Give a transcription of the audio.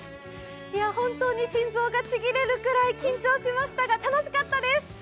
本当に心臓がちぎれるぐらい緊張しましたが楽しかったです！